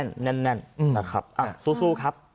จุกแน่นสู้ครับ